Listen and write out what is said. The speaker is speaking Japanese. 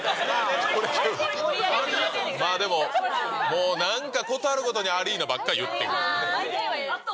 まあでも、もうなんか、ことあるごとにアリーナばっかり言ってくる。